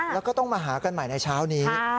แล้วก็ต้องมาหากันใหม่ในเช้านี้